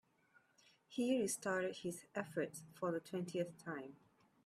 He restarted his efforts for the twentieth time.